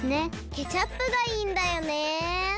ケチャップがいいんだよね。